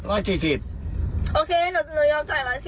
โอเคหนูยอมจ่าย๑๔๐